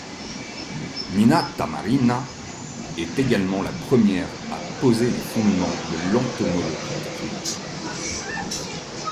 Nina Tamarina est également la première à poser les fondements de l'entomologie technique.